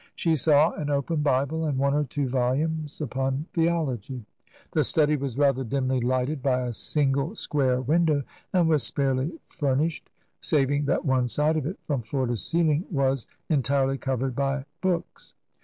She saw an open Bible and one or two volumes upon theology. The study was rather dimly lighted by a single square window and was sparely furnished, saving that one side of it, from floor to ceiling, was entirely covered by books.